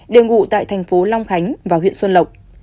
đều ngụ tại thành phố long khánh và huyện xuân lộc